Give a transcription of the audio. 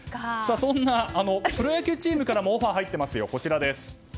そんなプロ野球チームからもオファーが入っていますよ。